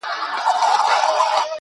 ستا د ښار د ښایستونو په رنګ ـ رنګ یم.